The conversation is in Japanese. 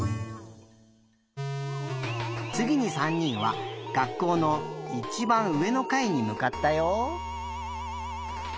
つぎに３にんは学校のいちばんうえのかいにむかったよ。